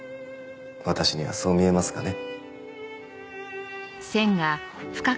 私にはそう見えますがね。